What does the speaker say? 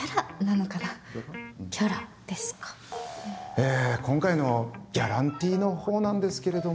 ・えぇ今回のギャランティーのほうなんですけれども。